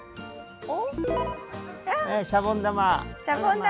シャボン玉。